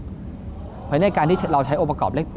เพราะฉะนั้นการที่เราใช้องค์ประกอบเลข๘